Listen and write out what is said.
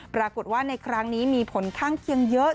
ปรากฏว่าในครั้งนี้มีผลข้างเคียงเยอะ